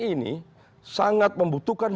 ini sangat membutuhkan